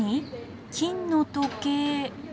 金の時計。